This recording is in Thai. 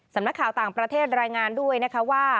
สำนักข่าวต่างประเทศรายงานด้วยนะคะว่า